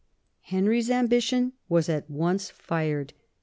Henry's ambition was at once fired.